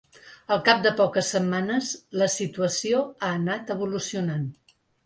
Al cap de poques setmanes, la situació ha anat evolucionant.